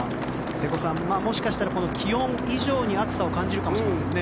瀬古さん、もしかしたら気温以上に暑さを感じるかもしれませんね。